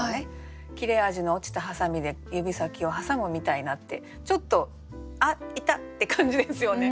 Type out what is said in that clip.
「切れ味の落ちたハサミで指先をはさむみたいな」ってちょっと「あっ痛っ！」って感じですよね